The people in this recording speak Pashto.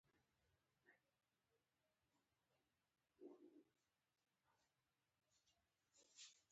ایا ستاسو سرود به و نه غږیږي؟